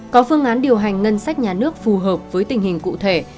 có phương án điều hành ngân sách nhà nước phù hợp với tình hình cụ thể